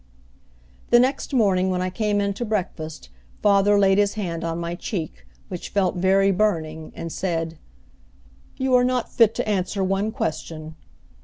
The next morning when I came in to breakfast father laid his hand on my cheek, which felt very burning, and said, "You are not fit to answer one question."